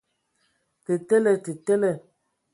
Tə tele! Tə tele.